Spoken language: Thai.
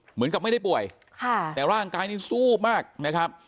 เหมือนกับไม่ได้ป่วยค่ะแต่ร่างกายนี่สู้มากนะครับ